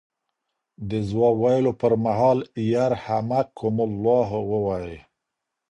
د ځواب ویلو پر مهال یرحمکم الله ووایئ.